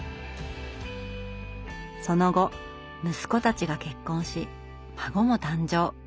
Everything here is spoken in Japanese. その後息子たちが結婚し孫も誕生。